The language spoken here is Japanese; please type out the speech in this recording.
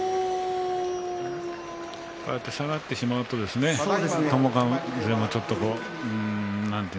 こうやって下がってしまうと友風も。